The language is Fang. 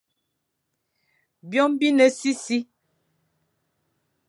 Byôm bi ne sisi,